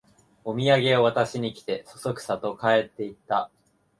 おみやげを渡しに来て、そそくさと帰っていった